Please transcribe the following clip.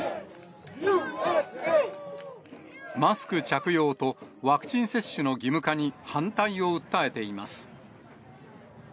マスク着用と、ワクチン接種の義務化に反対を訴えています。